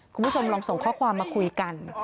คุณผู้ชมลองส่งข้อความมาคุยกัน